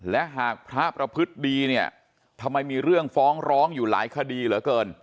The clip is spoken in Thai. และหากพระประพฤติดีเนี่ยทำไมมีเรื่องฟ้องร้องอยู่หลายคดีเหลือเกิน